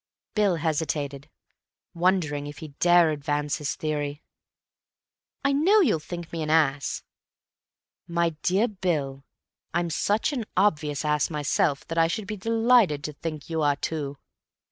Bill hesitated, wondering if he dare advance his theory. "I know you'll think me an ass—" "My dear Bill, I'm such an obvious ass myself that I should be delighted to think you are too."